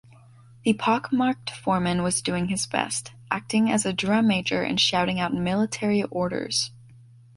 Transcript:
The pockmarked foreman was doing his best, acting as a drum-major and shouting out military orders.